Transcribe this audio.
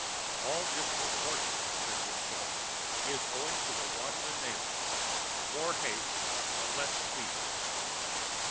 "And all this misfortune," said he to himself, "is owing to the want of a nail. More haste, the less speed!"